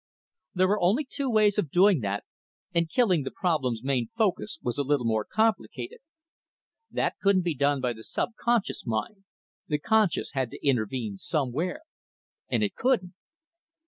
There were only two ways of doing that, and killing the problem's main focus was a little more complicated. That couldn't be done by the subconscious mind; the conscious had to intervene somewhere. And it couldn't.